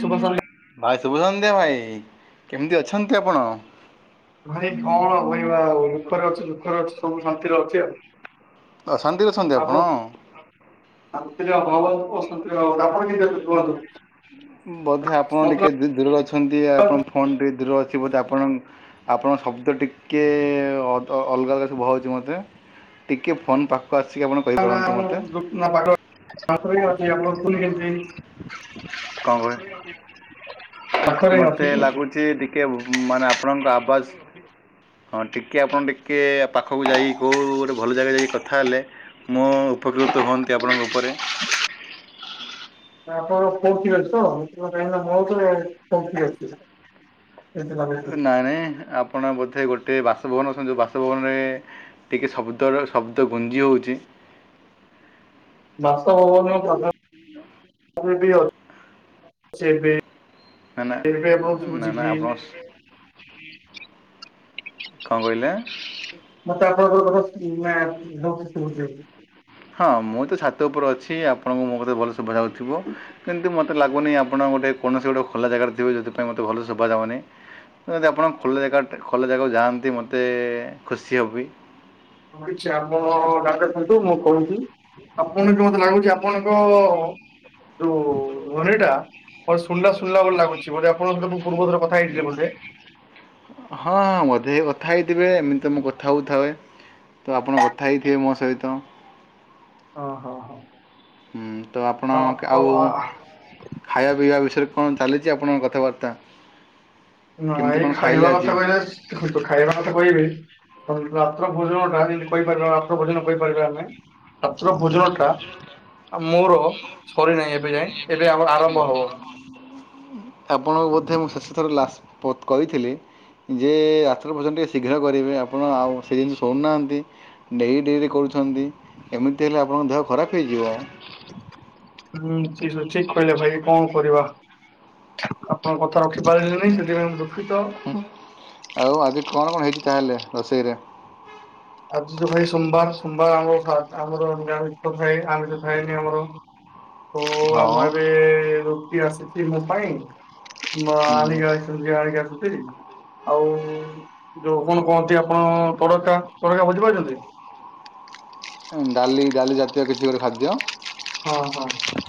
ଶୁଭ ଉଁ ସନ୍ଧ୍ୟା ଭାଇ ଶୁଭ ସନ୍ଧ୍ୟା ଭାଇ କେମିତି ଅଛନ୍ତି ଆପଣ? ଭାଇ କଣ କହିବି ବା ଆଉ ଦୁଃଖରେ ଅଛି ସୁଖରେ ଅଛି ସବୁ ଶାନ୍ତିରେ ଅଛି ଆଉ। ଅଶାନ୍ତିରେ ଅଛନ୍ତିି ଆପଣ? ଶାନ୍ତିରେ ଆଉ କଣ କରିବୁ ଅଶାନ୍ତିରେ ରହିଲୁ ଆପଣ କେମିତି ଜାଣିବେ କଣ କ ବୋଧେ ଆପଣ ଟିକେ ବେସ୍ ଦୂରରେ ଅଛନ୍ତି ଆପଣଙ୍କ ଫୋନ୍ ଟିକେ ଦୂରରେ ଅଛି ବୋଧେ ଆପଣ ଆପଣଙ୍କ ଶବ୍ଦ ଟିକିଏ ଅଲଗା ଅଲଗା ଶୁଭା ଯାଉଛି ମତେ। ଟିକେ ଫୋନ୍ ପା ଖକୁ ଆସିକି ଆପଣ କ [unintelligible] କଣ କହିଲେ ପାଖରେ ମତେ ଅଛି କି ଅଛି? ଲାଗୁଛି ଟି ସିଏ ମାନେ ଆପଣଙ୍କ ଆବାଜ୍ ହଁ ଟିକେ ଆପଣ ଟିକେ ପାଖକୁ ଯାଇ କୋଉ ଗୋଟେ ଭଲ ଜାଗା ଯାଇକି କଥା ହେଲେ। ମୁଁ ଉପକୃତ ହୁଅନ୍ତି ଆପଣଙ୍କ ଉପରେ। ଆ ଆପଣ ଫୋନ ଠିକ୍ ଅଛି ତ ନଥିବ କାହିଁକି ନା ମୋ [unintelligible] ନାଇଁ ନାଇଁ ଆପଣ ବୋଧେ ଗୋଟେ ବାସଭବନ ଅଛନ୍ତି ଯଉ ବାସଭବନରେ। ଟିକେ ଶବ୍ଦର ଶବ୍ଦ ଗୁଞ୍ଜି ହଉଛି। ବାସଭବନ ପାଖ ରେ ବି ଅ ନାନା ଏବେ ଆପଣଙ୍କୁ ନା ଶୁଭୁଛି ନା କି? ଆପଣ। କଣ କହିଲେ? ମତେ ଆପଣଙ୍କର କଥା ମେ ଭଲ ସେ ଶୁଭୁଛି। ହଁ ମୁଁ ତ ଛାତ ଉପରେ ଅଛି ଆପଣଙ୍କୁ ମୋ କଥା ଭଲ ଶୁଭା ଯାଉଥିବ। କିନ୍ତୁ ମୋତେ ଲାଗୁନି ଆପଣ ଗୋଟେ କୌଣସି ଗୋଟେ ଖୋଲା ଜାଗାରେ ଥିବେ ଯୋଉଥି ପାଇଁ ମୋତେ ଭଲ ଶୁଭା ଯାଉନି। ଅ ଯଦି ଆପଣ ଖୋଲା ଜାଗାଟେ ଖୋଲା ଜାଗାକୁ ଯାଆନ୍ତି ମୋତେ ଖୁସି ହେବି। [unintelligible] ଆପଣ [unintelligible] ଥାନ୍ତୁ ମୁଁ କହୁଚି ଆପଣ ତ ମତେ ଲାଗୁଛି ଆ ଆପଣଙ୍କ। ଯୋଉ ଧ୍ୱନୀଟା ଅ ଶୁଣିଲା ଶୁଣୀଲା [unintelligible] ଲାଗୁଛି ବୋଧେ ଆପଣଙ୍କ ସହିତ ମୁଁ ପୂର୍ବ ଥର କଥା ହେଇଥିଲି ବୋଧେ। ହଁଁ ବୋଧେ କଥା ହେଇଥିବେ ଏମିତି ତ ମୁଁ କଥା ହଉଥାଏ। ତ ଆପଣ କଥା ହେଇଥିବେ ମୋ ସହିତ। ଓହୋ ହୋ। ହୁଁ ତ ଆପଣ କ ଆଉ। ଆ ଖାଇବା ପିଇବା ବିଷୟରେ କଣ ଚାଲିଛି ଆପଣଙ୍କ କଥାବାର୍ତ୍ତା? ନା କେମିତି ଏଇ କଣ ଖାଇଲେ ଖାଇବା ଆଜି କଥା କହିଲେ ସ ଦେଖନ୍ତୁ ଖାଇବା କଥା କହିବି। [unintelligible] ରାତ୍ର ଭୋଜନ ଟା ଯେମିତି କହିପାରିବା ରାତ୍ର ଭୋଜନ କହିପାରିବା ଆମେ। ରାତ୍ର ଭୋଜନ ଟା ଆ ମୋର ସରି ନାହିଁ ଏବେ ଯାଏଁ ଏବେ ଆମ ଆରମ୍ଭ ହବ। ଆପଣଙ୍କୁ ବୋଧେ ମୁଁ ଶେଷ ଥର ଲାସ ପ କହିଥିଲି। ଯେ ରାତ୍ର ଭୋଜନ ଟିକେ ଶୀଘ୍ର କରିବେ ଆପଣ ଆଉ ସେ ଜିନିଷ ଶୁଣୁନାହାନ୍ତି। ଡେରି ଡେରିରେ କରୁଛନ୍ତି ଏମିତି ହେଲେ ଆପଣଙ୍କ ଦେହ ଖରାପ ହେଇଯିବ। ହୁଁ ଠିସ ଅଛି କହିଲେ ଭାଇ କଣ କରିବା? ଆପଣ କଥା ରଖି ପାରିଲିନି ସେଥିପାଇଁ ମୁଁ ଦୁଃଖିତ। ଉଁ ଆଉ ଆଜି କଣ କଣ ହେଇଛି ତାହେଲେ ରୋଷେଇରେ? ଆଜି ତ ଭାଇ ସୋମବାର ସୋମବାର ଆମର ଭା ଆମର ନିରାମିଷ ଥାଏ ଆମିଷ ଥାଏନି ଆମର। ତ ହଁ ଆମ ଏବେ ରୁଟି ଆସିଛି ମୋ ପାଇଁ ମ ଆଣିକି ନିଜେ ଆଣିକି ଆସୁଥିଲି। ଆଉ ଯୋଉ କଣ କହନ୍ତି ଆପଣ ତଡକା ତଡକା ବୁଝି ପାରୁଛନ୍ତି? ଉଁ ଡାଲି ଡାଲି ଜାତୀୟ କିଛି ଗୋଟେ ଖାଦ୍ୟ। ହଁ ହଁ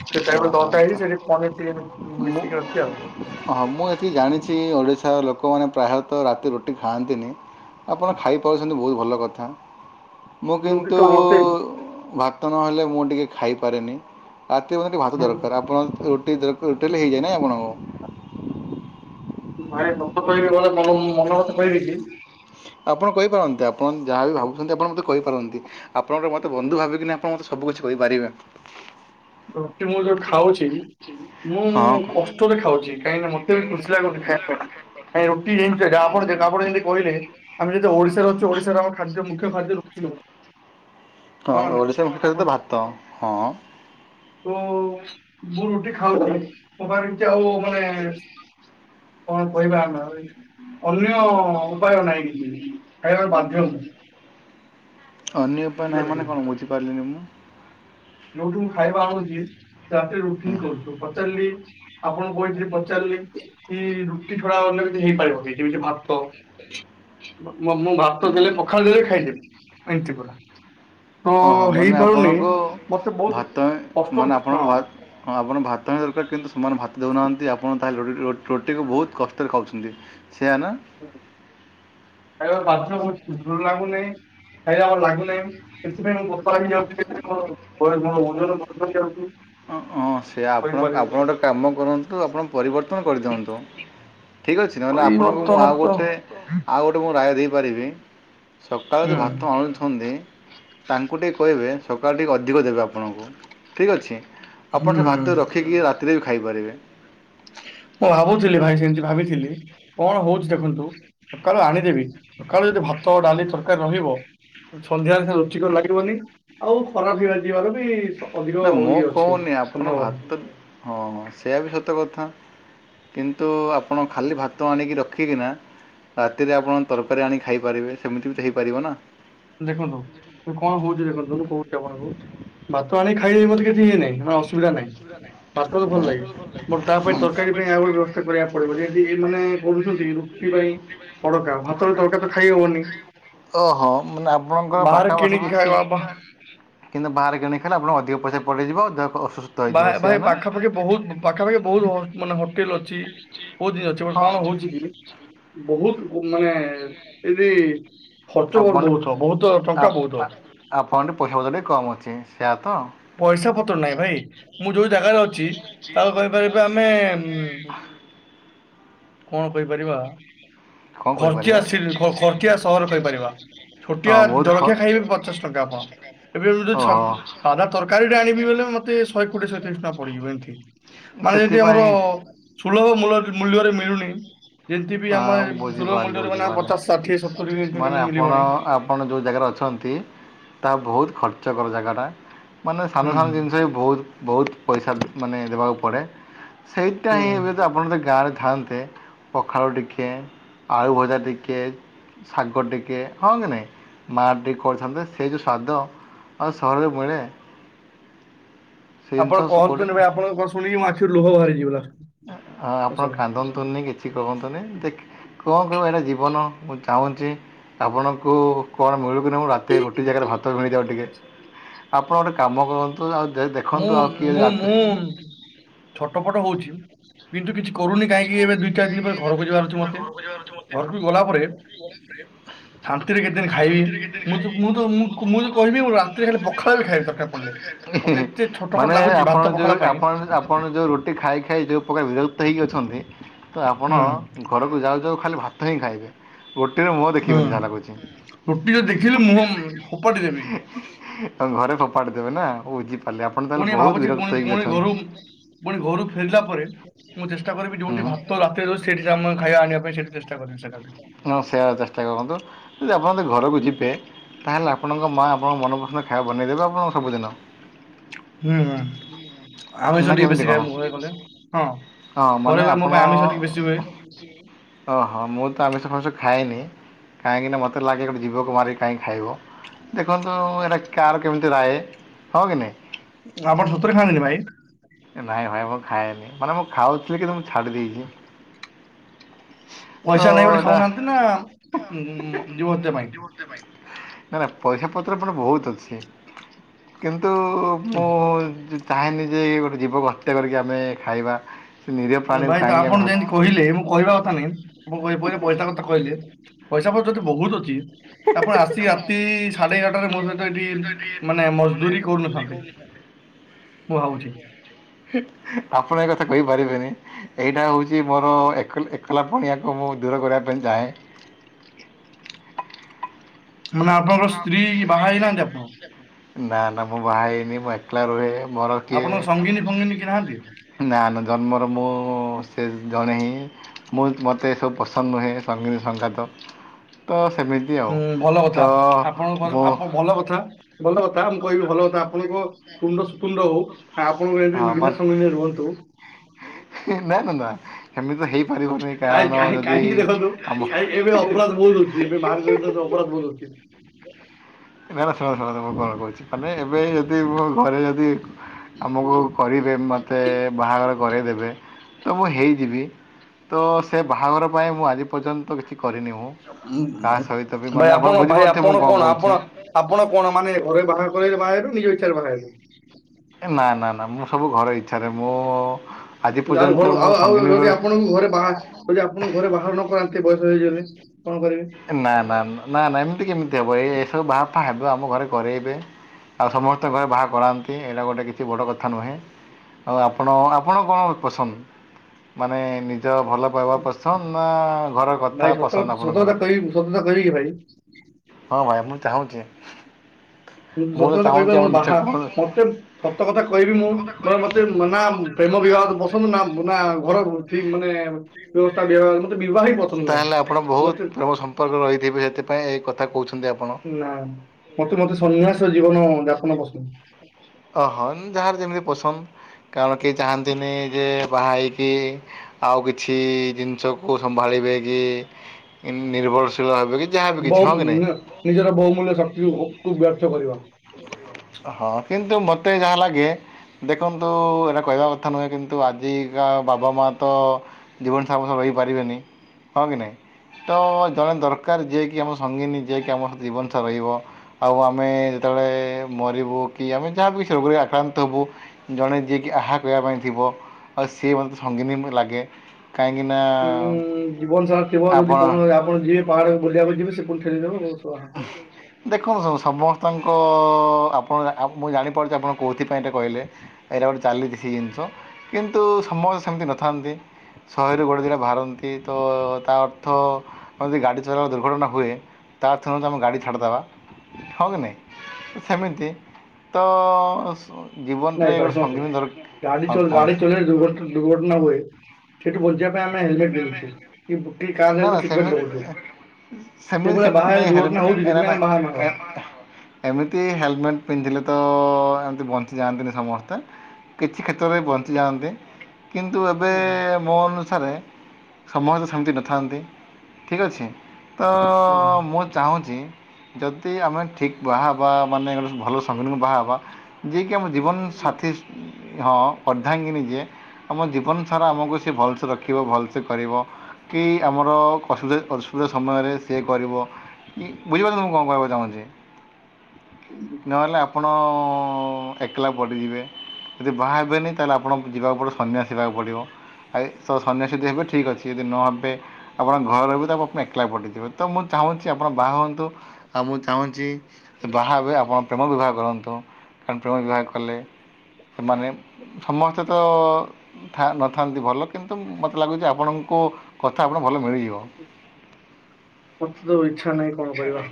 ସେଟା ଏବେ ହଁ ଦତା ତ ହେଇଛି ସେଠି ପନିର ଟିକେ ମି-ମିଶିକି ଅଛି ଆଉ। ଅ ହଁ ମୁଁ ଯେତିକି ଜାଣିଛି ଓଡ଼ିଶାର ଲୋକମାନେ ପ୍ରାୟତ ରାତି ରୁଟି ଖାଆନ୍ତିନି। ଆପଣ ଖାଇପାରୁଛନ୍ତି ବହୁତ ଭଲ କଥା। ମୁଁ ରୁଟି କିନ୍ତୁ ତ ମତେ ଭାତ ନହେଲେ ମୁଁ ଟିକେ ଖାଇପାରେନି। ତି ମତେ ଭାତ ଦରକାର ଆପଣ ରୁଟି ଦରକ ରୁଟି ହେଲେ ହେଇଯାଏ ନାହିଁ ଆପଣଙ୍କୁ। ଭାତ ସତ୍ କହିବି ମାନେ ତମକୁ ମୁଁ ମନ କଥା କହିବି କି? ଆପଣ କହିପାରନ୍ତି ଆପଣ ଯାହା ବିି ଭାବୁଛନ୍ତି ଆପଣ ମତେ କହିପାରନ୍ତି ଆପଣ ଗୋଟେ ମତେ ବନ୍ଧୁ ଭାବିକିନା ଆପଣ ମତେ ସବୁ କିଛି କହିପାରିବେ। ରୁଟି ମୁଁ ଯୋଉ ଖାଉଛି ମୁଁ ହଁ କଷ କଷ୍ଟରେ ଖାଉଛି କାହିଁକି ନା ମତେ ବି ଖୁସି ଲାଗୁନି ଖାଇବା ଟା। କାଇଁ ରୁଟି [unintelligible] ଆପଣ ଯେ ଆପଣ ଯେମିତି କହିଲେ ଆମେ ଯଦି ଓଡିଶାରେ ଅଛୁ ଓଡିଶାର ଆମ ଖାଦ୍ୟ ମୁଖ୍ୟ ଖାଦ୍ୟ ରୁଟି ହ ହଁ ଓଡିଶାର ମୁଖ୍ୟ ଖାଦ୍ୟ ଆପଣ ତ ଭାତ ହଁ। ଉ ମୁଁ ରୁଟି ଖାଉଛି ମୋ ପାଖରେ କିଛି ଆଉ ମାନେ। କଣ କହିବା ଆମେ ଆଉ ଏଇ ଅନ୍ୟ ଉପାୟ ନାହିଁ କିଛି ଖାଇବାକୁ ବାଧ୍ୟ ମୁଁ। ଅନ୍ୟ ଉପାୟ ନାହିଁ ବୁଝିପାରିଲେ କି ମାନେ କଣ? ବୁଝିପାରିଲିନି ମୁଁ। ଯୋଉଠୁ ମୁଁ ଖାଇବା ଆଣୁଛି ତାଠେ ରୁଟି ହିଁ କରୁଛୁ ପଚାରିଲି। ଆପଣ କହିି ପଚାରିଲେ କି ରୁଟି ଛଡା ଅନ୍ୟ କିଛି ହେଇପାରିବ କି? ଯେମିତି ଭାତ ମ ମ ମୁଁ ଭାତ ଦେଲେ ପଖାଳ ଦେଲେ ବି ଖାଇଦେବି ଏମତି ପାରା। ଓହୋ ହଁ ମାନେ ହେଇପାରୁନି ଆପଣଙ୍କୁ ମତେ ବହୁତ ଭାତ କଷ୍ଟ ମାନେ ଆପଣଙ୍କୁ ହଁ। ଭା- ହଁ ଆପଣ ଭାତ ହିଁ ଦରକାର କିନ୍ତୁ ସେମାନେ ଭାତ ଦେଉନାହାନ୍ତି ଆପଣ ତାହେଲେ ରୁ ରୁଟିକୁ ବହୁତ କଷ୍ଟରେ ଖାଉଛନ୍ତି। ସେଆ ନା? ଖାଇବା ବାଛ [unintelligible] ଲାଗୁନହିଁ ଖାଇଲେ ଆ ଲାଗୁନହିଁ। ସେଥିପାଇଁ କପା ହେଇଯାଉଛି [unintelligible] ଯାଉଛି। ଅଁ ହଁ ସେ ଆପଣ କରିପାରିବି ଆପଣ ଆଉ ଗୋଟେ କାମ କରନ୍ତୁ ଆପଣ ପରିବର୍ତ୍ତନ କରିଦିଅନ୍ତୁ। ଠିକ୍ ଅଛି ନହେଲେ ଆପଣଙ୍କୁ ମୁଁ ପରିବର୍ତ୍ତନ ଆଉ ତ ଗୋଟେ ଆଉ ଗୋଟେ ମୁଁ ରାୟ ଦେଇପାରିବି। ସକାଳେ ହୁଁ ଯୋଉ ଭାତ ଆଣୁଛନ୍ତି। ତାଙ୍କୁ ଟିକେ କହିବେ ସକାଳ ଟିକଏ ଅଧିକ ଦେବେ ଆପଣଙ୍କୁ ଠିକ୍ ଅଛି। ଆପଣ ସେ ହୁଁ ଭାତ ରଖିକି ରାତିରେ ବି ଖାଇପାରିବେ। ମୁଁ ଭାବୁଥିଲି ଭାଇ ସେମିତି ଭାବିଥିଲି, କଣ ହଉଛି ଦେଖନ୍ତୁ? ସକାଳୁ ଆଣିଦେବି ସକାଳୁ ଯଦି ଭାତ, ଡାଲି, ତରକାରୀ ରହିବ ସନ୍ଧ୍ୟାରେ କିଛି ତ ଲାଗିବନି ଆଉ ଖରାପ ହେଇ ଯିବାର ବି ସ ଅଧିକ ନା ମୁଁ ଇଏ ଅଛି କହୁନି ଆପଣ ସମ୍ଭାବନା ଭାତ ତ ହଁ ସେଇୟ ବି ସତ କଥା। କିନ୍ତୁ ଆପ ଆପଣ ଖାଲି ଭାତ ଆଣିକି ରଖିକିନା ରାତିରେ ଆପଣ ତରକାରୀ ଆଣି ଖାଇପାରିବେ ସେମିତି ବି ତ ହେଇପାରିବ ନା। ଦେଖନ୍ତୁ କଣ ହଉଛି ଦେଖନ୍ତୁ ମୁ କହୁଛି ଆପଣଙ୍କୁ? ଭାତ ଆଣି ଖାଇଲେ ମତେ କିଛି ଇଏ ନାଇଁ। ମସ ସୁବିଧା ନାହିଁ ପାସ୍ ତ ଭଲ ଲାଗେ ମୋର ତା ପାଇଁ ହଁ ତରକାରୀ ପାଇଁ ଆଉ ଗୋଟେ ବ୍ୟବସ୍ଥା କରିବା ଯେମତି ଏ ମାନେ କରୁଛନ୍ତି ରୁଟି ପାଇଁ ତଡକା ଭାତରେ ତଡକା ତ ଖାଇ ହବନି। ଓହୋ ମାନେ ଆପଣଙ୍କର ବାହାରେ ପାଖାପାଖି କିଣିକି କିଛି ଖାଇବା କିନ୍ତୁ ବାହାରେ କିଣି ଖାଇଲେ ଆପଣ ଅଧିକ ପଇସା ପଡିଇଯିବ। ଦେହ ଫେହ ବାହା ଭାଇ ପାଖାପାଖି ବହୁତ ପାଖା ପାଖି ବହୁତ ହ ମାନେ ହୋଟେଲ ଅଛି ବହୁତ ଜି ଅଛି ବଟ ହଁ କଣ ହଉଛି କି? ବହୁତ ମାନେ ଏଠି ଖର୍ଚ୍ଚ ଆପଣ କରିଦଉଚ ବହୁତ ଟଙ୍କା ବହୁତ। ଆପ ଆପଣ ଢ଼େ ପଇସା ପତ୍ର ଟିକେ କମ୍ ଅଛି ସେଇଆ ତ। ପଇସା ପତ୍ର ନାହିଁ ଭାଇ ମୁଁ ଯୋଉ ଜାଗାରେ ଅଛି ତାକୁ କହିପାରିବେ ଆମେ କଣ କହିପାରିବା? କଣ ଖର୍ଚଆ କହିପାରିବା। ସିଲ ଖ ଖର୍ଚଆ ସହର କହିପାରିବା। ଛୋଟିଆ ହଁ ବହୁତ ଖ ଜଳଖିଆ ଖାଇବେ ପଚାଶ ଟଙ୍କା ଆପଣ ଏବେବେ। ଓହୋ [unintelligible] ତରକାରୀ ଟା ଆଣିବି ବଲେ ମତେ ଶହେ କୋଡିଏ ଶହେତିରିଶ ଟଙ୍କା ପଡିଯିବ ଏମତି। ମାନେ ଯେମିତି ଆମର ସେଥିପାଇଁ ସୁଲଭ ମୂଲ ମୂଲ୍ୟରେ ମିଳୁନି। ଯେମିତି ବି ଆମେ ହଁ ସୁଲଭ ବୁଝିପାରିଲି ମୂଲ୍ୟରେ ମାନେ ଆଉ ବୁଝିପାରିଲି। ପଚାଶ, ଷାଠିଏ, ସତୁରି ବି ମାନେ [unintelligible] ଆପଣ ମିଳିବନି। ଆପଣ ଯୋଉ ଜାଗାରେ ଅଛନ୍ତି ତାହା ବହୁତ ଖର୍ଚ୍ଚ କର ଜାଗାଟା। ମାନେ ସାନ ହୁଁ। ସାନ ଜିନିଷ ବି ବହୁତ ବହୁତ ପଇସା ମାନେ ଦେବାକୁ ପଡ଼େ। ସେଇଟା ହିଁ ହୁଁ। ଏବେ ତ ଆପଣ ଯଦି ଗାଁରେ ଥାନ୍ତେ ପଖାଳ ଟିକେ, ଆଳୁ ଭଜା ଟିକେ। ଶାଗ ଟିକେ ହଁ କି ନାଇଁ ମା ଟିକେ କରିଥାନ୍ତେ ସେଇ ଯଉ ସ୍ଵାଦ। ଆଉ ସହର ରେ ମିଳେ? ସେ ଆପଣ ଜିନିଷ କେଉଁଠି କହନ୍ତୁ ନି ଭାଇ ଆପଣଙ୍କ କ ଶୁଣିକି ମ ଆଖିରୁ ଲୋହ ବାହାରିଯିବ ଲାଷ୍ଟ। ହଁ ଆପଣ କାନ୍ଦନ୍ତୁନି କିଛି କରନ୍ତୁନି। ଦେଖ କଣ କହିବ ଏଇଟା ଜୀବନ ମୁଁ ଚାହୁଁଛି ଆପଣଙ୍କୁ କଣ ମିଳୁ ରାତି ରେ ରୁଟି ଜାଗାରେ ଭାତ ମିଳିଯାଉ ଟିକେ। ଆପଣ ଗୋଟେ କାମ କରନ୍ତୁ ଆଉ ଦେ ମୁଁ ଦେଖନ୍ତୁ ଆଉ କିଏ ମୁଁ ରାତି ମୁଁ ଛୋଟ ପଟ ହଉଛି କିନ୍ତୁ କିଛି କରୁନି କାହିଁକି ଏବେ ଦୁଇ ଚାରି ଦିନ ପରେ ଘରକୁ ଯିବାର ଅଛି ମତେ। ଘରକୁ ଗଲା ପରେ [inaudible] ଶାନ୍ତିରେ କେତେଦିନ ଖାଇବି। ମୁଁ ତ ମୁଁ ତ ମୁଁ ମୁଁ କହିବି ପୁରା ତୁ ହେଲେ ପଖାଳ ବି ଖାଇବି ଦରକାର ପଡିଲେ। ମତେ ଏତେ ଛଟପଟ ମାନେ ଲାଗୁଛି ଆପଣ ଭାତ ଯଉ ପଖାଳ ପାଇଁ ଆପଣ ଆପଣ ଯଉ ରୁଟି ଖାଇ ଖାଇ ଯୋଉ ପ୍ରକାର ବିରକ୍ତ ହେଇକି ଅଛ ନ୍ତି ତ ଆପଣ ହୁଁ ଘରକୁ ଯାଉ ଯାଉ ଖାଲି ଭାତ ହିଁ ଖାଇବେ। ରୁଟି ର ମୁହଁ ଦେଖିବେନି ହୁଁ। ଯାହା ଲାଗୁଛି। ରୁଟି ଯଦି ଦେଖିଲି ମୁହଁ ଫୋପାଡ଼ି ଦେବି ଆଉ ଘରେ ଫୋପାଡି ଦେବେ ନା ଓ ବୁଝିପାରିଲି ଆପଣ ତାହେଲେ ପୁଣି ବହୁତ ଭାବୁଛି ପୁଣି ବିରକ୍ତ ହେଇକି ପୁଣି ଘରୁ ଅଛନ୍ତି। ପୁଣି ଘରୁ ଫେରିଲା ପରେ ମୁଁ ଚେଷ୍ଟା କରିବି ଯୋଉଠି ଭାତ ରାତିରେ ଦଉଚି ସେଠି ଖାଇବା ଆଣିବା ପାଇଁ ସେଠି ଚେଷ୍ ଷ୍ଟା କାରିମି ସେଠାକୁ। ହଁ ସେୟା ଚେଷ୍ଟା କରନ୍ତୁ ଯ ଆପଣ ଯଦି ଘରକୁ ଯିବେ ତାହେଲେ ଆପଣଙ୍କ ମା ଆପଣଙ୍କ ମନପସନ୍ଦ ଖାଇବା ବନେଇଦେବେ ଆପଣ ସବୁଦିନ ହୁଁ ହୁଁ। ଆମିଷ ନା ଟିକେ କେମିତି ବେଶୀ କଣ? ଖାଏ ମୁଁ ଘରେ ଗଲେ ହଁ ହଁ ମାନେ ଘରେ ଗଲେ ମୋ ଆପଣ ପାଇଁ ଆମିଷ ଟିକେ ବେଶି ହୁଏ। ଓହୋ ମୁଁ ତ ଆମିଷ ଫାମିଷ ଖାଏନି। କାହିଁକିନା ମୋତେ ଲାଗେ ଗୋଟେ ଜୀବକୁ ମାରିକି କାହିଁକି ଖାଇବ। ଦେଖନ୍ତୁ ଏଇରା କାହର କେମିତି ରାଏ ହଁ କି ନାଇଁ। ଆପଣ ସତରେ ଖାଆନ୍ତିନି ଭାଇ। ନାଇଁ ଭାଇ ମୁଁ ଖାଏନି ମାନେ ମୁଁ ଖାଉଥିଲି କିନ୍ତୁ ମୁଁ ଛାଡି ଦେଇଛି। ତ ପଇସା ନାହିଁ ବୋଲି ଏଇଟା ଖାଉନାହାନ୍ତି ନା ଉ ଊ ଜୀବହତ୍ୟା ପାଇଁ। ନା ନା ପଇସା ପତ୍ର ପୁଣି ବହୁତ ଅଛି। କିନ୍ତୁ ମୁଁ ଜି ଚାହେଁନି ଯେ ଏ ଗୋଟେ ଜୀବକୁ ହତ୍ୟା କରିକି ଆମେ ଖାଇବା। ସେ ନିରୀହ ଉଁ ପ୍ରାଣୀକୁ ଭାଇ ତ କାହିଁକି ଆମେ ଆପଣ ଯେମିତି କହିଲେ ହ ମୁଁ କହିବା କଥା ନୁହେଁ ମୁ କହି ପରେ ପଇସା କଥା କହିଲେ ପଇସାପତ୍ର ଯଦି ବହୁତ ଅଛି ଆପଣ ଆସିକି ରାତି ସାଢେ ଏଗାରଟାରେ ମୋ ସହିତ ଏଠି ମାନେ ମଜଦୁରୀ କରୁନଥାନ୍ତେ। [inaudible] ମୁଁ ଭାବୁଚି। ଆପଣ ଏ କଥା କହି ପାରିବେନି। ଏଇଟା ହଉଛି ମୋର ଏକଲ ଏକଲା ପଣିଆକୁ ମୁଁ ଦୂର କରିବା ପାଇଁ ଚାହେଁ। ମାନେ ଆପଣଙ୍କର ସ୍ତ୍ରୀ ବାହା ହେଇନାହାନ୍ତି ଆପଣ। ନା ନା ମୁଁ ବାହା ହେଇନି ମୁଁ ଏକଲା ରୁହେ ମୋର କିଏ ଆପଣଙ୍କ ସଙ୍ଗିନୀ ଫଙ୍ଗିନୀ କି ନାହାନ୍ତି ନା ନା ଜନ୍ମରୁ ମୁଁ ସେ ଜଣେ ହିଁ ମୁଁ ଏମତି ମୋତେ ଏ ସବୁ ପସନ୍ଦ ନୁହେଁ ସଙ୍ଗୀ ସଙ୍ଗାତ ତ ସେମି ହୁଁ ଭଲ କଥା ଆପଣଙ୍କ ଆପଣ ଭଲ କଥା ଭଲ କଥା ମୁଁ କହିବି ଭଲ କଥା ଆପଣଙ୍କ ତୁଣ୍ଡ ସୁତୁଣ୍ଡ ହଉ। ଆପଣ ବି ହଁ ଏମିତି ବିନା ସଙ୍ଗିରେ ରୁହନ୍ତୁ। ଏ ନା ନା ନା ଏମିତି ତ ହେଇପାରିବନି କାହିଁକି କାରଣ କାହିଁକି ଯଦି କାହିଁକି ଦେଖନ୍ତୁ ଆମ କାହିଁକି ଏବେ ଅପରାଧ ବହୁତ ହଉଛି ଏବେ ବାହାରେ ରହିଲେ ତ ଅପରାଧ ବହୁତ ହଉଛି। ନା ନା ଶୁଣ ଶୁଣନ୍ତୁ ମୁଁ କଣ କହୁଛି ମାନେ ଏବେ ଯଦି ମୁଁ ଘରେ ଯଦି ଆମକୁ କରିବେ ମୋତେ ବାହାଘର କରାଇଦେବେ ତ ମୁଁ ହେଇଯିବି ତ ସେ ବାହାଘର ପାଇଁ ମୁଁ ଆଜି ପର୍ଯ୍ୟନ୍ତ କିଛି କରିନି ମୁଁ। ଉ କାହା ଉଁ ସହିତ ବି ମାନେ ଭାଇ ଆପଣ ଭାଇ ବୁଝିପାରୁଥିବେ ମୁଁ ଆପଣ କଣ କହୁଛି ଆପଣ ଆପଣ କଣ ମାନେ ଘରେ ବାହା କରେଇଲେ ବାହା ହେବେ ନା ନିଜ ଇଚ୍ଛାରେ ବାହାହେବେ। ଏ ନା ନା ନା ମୁଁ ସବୁ ଘର ଇଚ୍ଛାରେ ମୁଁ ଆଜି ତାହେଲେ ପର୍ଯ୍ୟନ୍ତ ଘର ମୁଁ ଆଉ ଆଉ ସଙ୍ଗିନୀର ଯଦି ଆପଣଙ୍କୁ ଘରେ ବାହା ଯଦି ଆପଣ ଙ୍କୁ ଘରେ ବାହାଘର ନ କରାନ୍ତି ବୟସ ହେଇଗଲେ କଣ କରିବେ। ଏ ନା ନା ନା ନା ଏମିତି କେମିତି ହବ ଏ ଏସବୁ ବାହା ଫା ହେବେ ଆମ ଘରେ କରେଇବେ। ଆଉ ସମସ୍ତଙ୍କ ଘରେ ବାହା କରାନ୍ତି ଏଇଟା ଗୋଟେ କିଛି ବଡ଼ କଥା ନୁହେଁ। ଆଉ ଆପଣ ଆପଣ କଣ ପସନ୍ଦ ମାନେ ନିଜ ଭଲ ପାଇବା ପସନ୍ଦ ନା ଘର କଥା ପସନ୍ଦ ଆପଣଙ୍କର। ଏଇ ସତଟା କହିବେକି ଭାଇ। ହଁ ଭାଇ ମୁଁ ଚାହୁଁଚି। ସତ କଥା କହିବ ଆପଣ ମୋର ମିଛ ବାହା କୁହନ୍ତୁ। ମତେ ସତ କଥା କହିବି ମୁଁ ମତେ ନା ପ୍ରେମ ବିବାହ ପସନ୍ଦ ନା ନା ଘର ଠିକ ମାନେ ବ୍ୟବସ୍ଥା ବିବାହ ମତେ ବିବାହ ହିଁ ପସନ୍ଦ ନାହିଁ। ତାହେଲେ ଆପଣ ମତେ ବୋହୁତ ପ୍ରେମ ସମ୍ପର୍କ ରହିଥିବେ ସେଥିପାଇଁ ଏ କଥା କହୁଚନ୍ତି ଆପଣ। ନା ମତେ ମତେ ସନ୍ନ୍ୟାସ ଜୀବନ ଯାପନ ପସନ୍ଦ। ଅହୋ ଯାହାର ଯେମିତି ପସନ୍ଦ କାରଣ କେହି ଚାହାନ୍ତିନି ଯେ ବାହା ହେଇକି ଆଉ କିଛି ଜିନିଷକୁ ସମ୍ଭାଳିବେ କି ନିର୍ଭରଶୀଳ ହେବେ କି ଯାହାବି କିଛି ବହୁ ହଁ କି ନାହିଁ? ମୂଲ୍ୟ ନିଜର ବହୁମୂଲ୍ୟ ଶକ୍ତି କୁ ବ୍ୟର୍ଥ କରିବା। ହଁ କିନ୍ତୁ ମତେ ଯାହା ଲାଗେ ଦେଖନ୍ତୁ ଏଇଟା କହିବା କଥା ନୁହେଁ କିନ୍ତୁ ଆଜିକା ବାବା ମା ତ ଜୀବନସାରା ତ ରହିପାରିବେନି ହଁ କି ନାହିଁ। ତ ଜଣେ ଦରକାର ଯିଏକି ଆମ ସଙ୍ଗନୀ ଯିଏକି ଆମ ଜୀବନସାର ରହିବ। ଆଉ ଆମେ ଯେତେବେଳେ ମରିବୁ ଯେମିତି ଆମେ ରୋଗରେ ଆକ୍ରାନ୍ତ ହେବୁ ଜଣେ ଯିଏକି ଆହା କରିବା ପାଇଁ ଥିବ। ଆଉ ସିଏ ମତେ ସଙ୍ଗୀନୀ ଲାଗେ। କାହିଁକି ନା ଉଁ ଜୀବନ ସାରା ଥିବ ଯଦି କଣ ଆପଣ ଯିବେ ପାହାକୁ ବୁଲିବାକୁ ଯିବେ ସେ ପୁଣି ଠେଲିଦବ ଉ [unintelligible] ଦେଖନ୍ତୁ ଶୁ ସମସ୍ତଙ୍କ ଆପଣ ମୁଁ ଜାଣିପାରୁଚି ଆପଣ କେଉଁଥିପାଇଁ ଏଟା କହିଲେ। ଏଇଟା ଗୋଟେ ଚାଲିଛି ସେ ଜିନିଷ କିନ୍ତୁ ସମସ୍ତେ ସେମିତି ନଥାନ୍ତି। ଶହେରୁ ଗୋଟେଦିଟାବାହାରନ୍ତି ତ ତା ଅର୍ଥ ଗାଡ଼ି ଚଲାଇବା ଦୁର୍ଘଟଣା ହୁଏ। ତା ଅର୍ଥ ନୁହେ ଯେ ଆମେଗାଡ଼ି ଛାଡ଼ିଦବା। ହଁ କି ନାଇଁ ସେମିତି ତ ନାଇଁ ଜୀବନରେ ଦ୍ଭାଇ ଗୋଟେ ସୁଣନ୍ତୁ ସଙ୍ଗିନୀ ଦରକାର ଗାଡ଼ି ହଁ ଚ କୁହନ୍ତୁ ଗାଡ଼ି ଚଳେଇ ଲେ ଦୁର୍ଘ ଦୁର୍ଘଟଣା ହୁଏ। ସେଠୁ ବଞ୍ଚିବା ପାଇଁ ଆମେ ହେଲମେଟ ପିଧୁଛୁ ବୁକ୍କି ନା କାରେ ନା ଗଲେ ସିଟି ବେଲେ ରଖୁଚୁ। ସେମିତି ସେମିତି ସେମିତି ନାଇଁ ହେଲେମେ ହଉଛି ଏରା ସେଥିପାଇଁ ଆମେ ବାହାର ନ ହେବା ନାଇ ଏ ଏମିତି ହେଲମେଟ୍ ପିନ୍ଧିଲେ ତ ଏମିତି ବଞ୍ଚିଯାଆନ୍ତିନି ସମସ୍ତେ। କିଛି କ୍ଷେତ୍ରରେ ବଞ୍ଚି ଯାଆନ୍ତି କିନ୍ତୁ ଏବେ ହୁଁ, ମୋ ଅନୁସାରେ ସମତେ ତ ସେମିତି ନଥାନ୍ତି ଠିକ୍ ଅଛି ତ ହୁଁ। ଅ ମୁଁ ଚାହୁଁଚି ଯଦି ଆମେ ଠିକ୍ ବାହା ହେବା ମାନେ ଭଲ ସଙ୍ଗୀକୁ ବାହା ହେବା--' ଯିଏ କିି ଆମ ଜୀବନ ସାଥୀ ହଁ ଅର୍ଦ୍ଧାଙ୍ଗିନୀ ଯିଏ ଆମ ଜୀବନ ସାରା ଆମକୁ ସେଏ ଭଲସେ ରଖିବ ଭଲସେ ସେ କରିବ କି ଆମର ଅସୁବିଧା ଅସୁବିଧା ସମୟରେ ସିଏ କରିବ। କି ବୁଝିପାରୁଚତକଣ କହିବାକୁ ଚାହୁଚି। [unintelligible] ନହେଲେ ଆପଣ ଏକଲା ପଡ଼ିଯିବେ। ଯଦି ବାହା ହେବେନି ତାହେଲେ ଆପଣଙ୍କୁ ଯିବାକୁ ପଡ଼ିବ ସନ୍ନ୍ୟାସ ଯିବାକୁ ପଡିବ ସନ୍ନ୍ୟାସ ଯଦି ହେବେ ଠିକ୍ ଅଛି ଯଦି ନ ହେବେ ଆପଣଙ୍କ ଘର ର ବି ତା ଆପଣ ଏକଲା ପଡିଇଥିବେ ତ ମୁଁ ଚାହୁଁଚି ଆପଣ ବାହା ହୁଅନ୍ତୁ ଆଉ ମୁଁ ଚାହୁଁଚି। ବାହା ହେବେଆପଣ ପ୍ରେମ ବିବାହ କରନ୍ତୁ କାରଣ ପ୍ରେମ ବିବାହ କଲେ ସେମାନେ ସମସ୍ତେ ତ ଥା ନଥାନ୍ତି ଭଲ କିନ୍ତୁ ମତେ ଲାଗୁଚି ଆ ଆପଣଙ୍କୁ କଥା ଆପଣ ଭଲ ମିଳିଯିବ। ମତେ ତ ଇଚ୍ଛା ନାହିଁ କଣ କରିବା।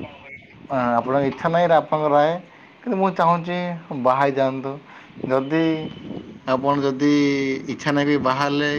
ହ ଆପଣଙ୍କ ଇଚ୍ଛା ନାହିଁ ଆପଣଙ୍କ ରାୟ କିନ୍ତୁ ମୁଁ ଚାହୁଁଛି ବାହା ହେଇ ଯାଆନ୍ତୁ। ଯଦି ଆପଣ ଯଦି ଇଛା ନାହିଁବି ବାହାହେଲେ